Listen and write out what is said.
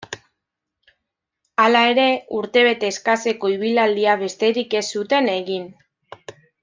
Hala ere, urtebete eskaseko ibilaldia besterik ez zuten egin.